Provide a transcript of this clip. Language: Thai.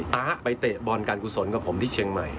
๊ะไปเตะบอลการกุศลกับผมที่เชียงใหม่